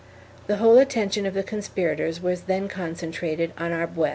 3 The whole attention of the conspirators was then concentrated on Arbues.